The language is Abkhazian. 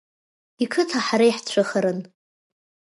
Иқыҭа ҳара иаҳцәыхаран.